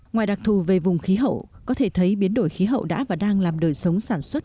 ngoài đặc thù về vùng khí hậu có thể thấy biến đổi khí hậu đã và đang làm đời sống sản xuất